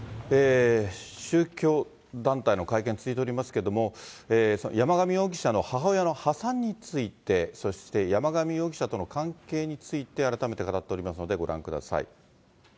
宗教団体の会見、続いておりますけれども、山上容疑者の母親の破産について、そして、山上容疑者との関係について改めて語っておりますので、ご覧ください。